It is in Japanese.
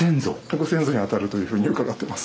ご先祖にあたるというふうに伺ってます。